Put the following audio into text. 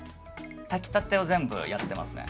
炊きたてを全部やってますね。